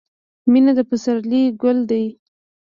• مینه د پسرلي ګل دی.